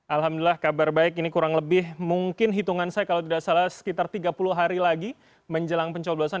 alhamdulillah kabar baik ini kurang lebih mungkin hitungan saya kalau tidak salah sekitar tiga puluh hari lagi menjelang pencoblosan